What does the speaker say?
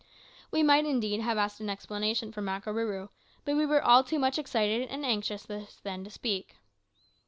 We might, indeed, have asked an explanation from Makarooroo, but we were all too much excited and anxious just then to speak.